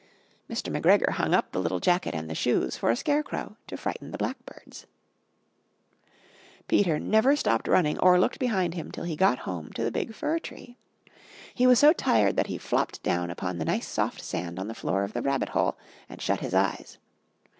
Mr. McGregor hung up the little jacket and the shoes for a scare crow to frighten the blackbirds. Peter never stopped running or looked behind him Till he got home to the big fir tree. He was so tired that he flopped down upon the nice soft sand on the floor of the rabbit hole, and shut his eyes.